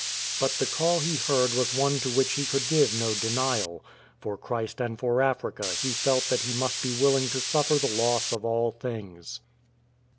But the call he heard was one to which he could give no denial. For Christ and for Africa he felt that he must be willing to suffer the loss of all things.